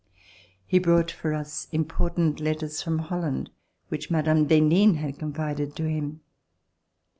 He brought for us im portant letters from Holland which Mme. d'Henin had confided to him.